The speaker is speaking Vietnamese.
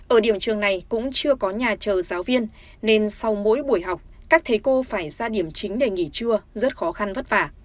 ở điểm trường này cũng chưa có nhà chờ giáo viên nên sau mỗi buổi học các thầy cô phải ra điểm chính để nghỉ trưa rất khó khăn vất vả